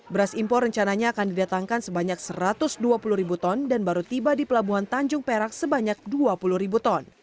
beras impor rencananya akan didatangkan sebanyak satu ratus dua puluh ribu ton dan baru tiba di pelabuhan tanjung perak sebanyak dua puluh ribu ton